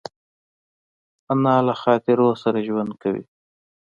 انا له خاطرو سره ژوند کوي